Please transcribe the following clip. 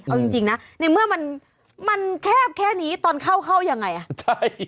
เอาจริงนะในเมื่อมันแคบแค่นี้ตอนเข้าเข้ายังไงอ่ะใช่